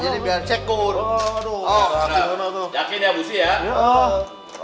aduh berarti mana tuh